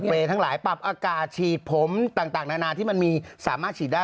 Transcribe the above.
ทั้งหลายปรับอากาศฉีดผมต่างนานาที่มันมีสามารถฉีดได้